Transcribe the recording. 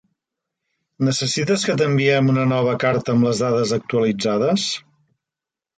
Necessites que t'enviem una nova carta amb les dades actualitzades?